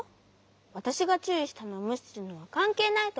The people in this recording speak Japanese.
わたしがちゅういしたのをむしするのはかんけいないとおもうし。